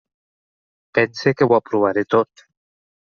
Pense que ho aprovaré tot.